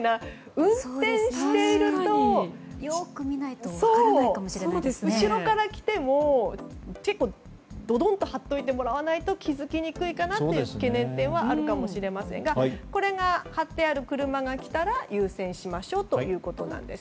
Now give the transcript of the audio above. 運転していると後ろから来ても結構どどんと貼ってもらわないと気づきにくいかなという懸念点はあるかもしれませんがこれが貼ってある車が来たら優先しましょうということなんです。